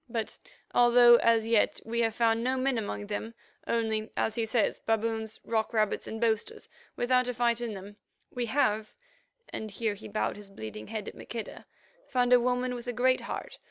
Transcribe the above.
But although, as yet, we have found no men among them, only, as he says, baboons, rock rabbits, and boasters without a fight in them, we have"—and here he bowed his bleeding head to Maqueda—"found a woman with a great heart.